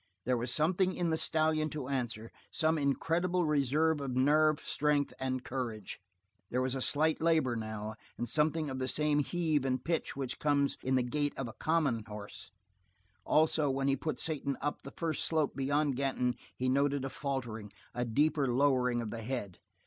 There was something in the stallion to answer, some incredible reserve of nerve strength and courage. There was a slight labor, now, and something of the same heave and pitch which comes in the gait of a common horse; also, when he put Satan up the first slope beyond Ganton he noted a faltering, a deeper lowering of the head.